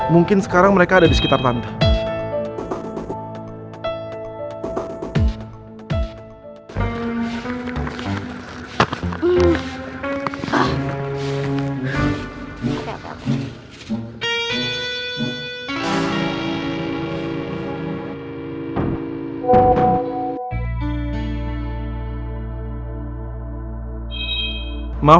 mungkin sekarang mereka ada disekitar tante